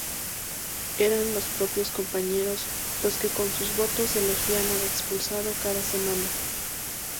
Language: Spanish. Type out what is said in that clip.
Eran los propios compañeros los que con sus votos elegían al expulsado cada semana.